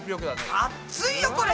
熱いよこれ。